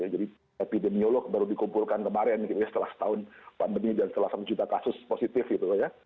jadi epidemiolog baru dikumpulkan kemarin setelah setahun pandemi dan setelah seratus juta kasus positif gitu ya